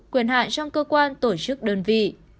quyền hạn trong cơ quan tổ chức đơn vị